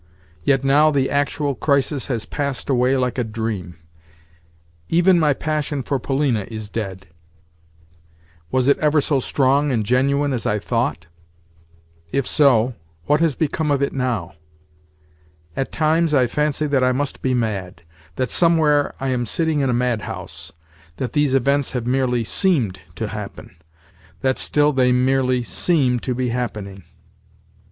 Yet now the actual crisis has passed away like a dream. Even my passion for Polina is dead. Was it ever so strong and genuine as I thought? If so, what has become of it now? At times I fancy that I must be mad; that somewhere I am sitting in a madhouse; that these events have merely seemed to happen; that still they merely seem to be happening.